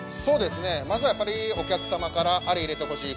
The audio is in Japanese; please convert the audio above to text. まずはお客様からあれ入れてほしい